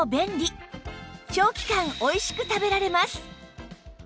長期間おいしく食べられます